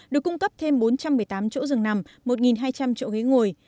được cung cấp thêm bốn trăm một mươi tám chỗ dừng nằm một hai trăm linh chỗ ghế ngồi